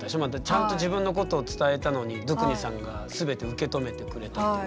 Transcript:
ちゃんと自分のことを伝えたのにドゥクニさんが全てを受け止めてくれたという。